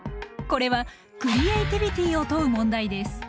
これはクリエイティビティを問う問題です。